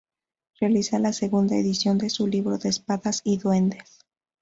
Realiza la segunda edición de su libro "De Espadas y Duendes".